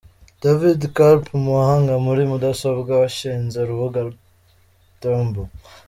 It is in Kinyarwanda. David Karp umuhanga muri mudasobwa washinze urubuga tumblr.